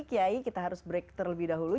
kiai kita harus break terlebih dahulu